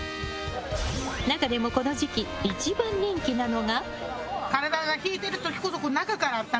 中でもこの時期、一番人気なのが。